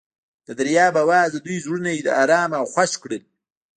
د دریاب اواز د دوی زړونه ارامه او خوښ کړل.